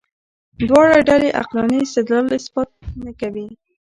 دواړه ډلې عقلاني استدلال اثبات نه کوي.